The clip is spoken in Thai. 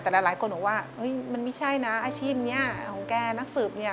แต่หลายคนบอกว่ามันไม่ใช่นะอาชีพนี้ของแกนักสืบเนี่ย